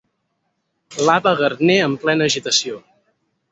L'Ava Gardner en plena agitació.